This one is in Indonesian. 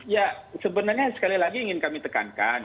ya sebenarnya sekali lagi ingin kami tekankan